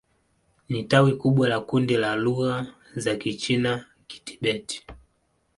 Ni tawi kubwa la kundi la lugha za Kichina-Kitibet.